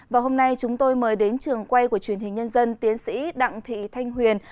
và hôm nay chúng tôi mời đến trường quay của truyền hình nhân dân tiến sĩ đặng thị thanh huyền